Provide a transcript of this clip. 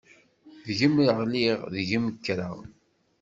Deg-m ɣliɣ, deg-m kkreɣ.